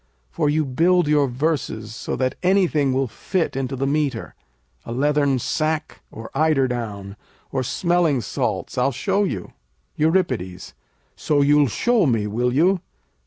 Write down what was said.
For you build your verses so that anything will fit into the metre, a leathern sack, or eider down, or smelling salts. I'll show you. Eur. So, you'll show me, will you?